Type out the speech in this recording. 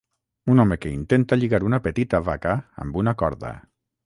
Un home que intenta lligar una petita vaca amb una corda.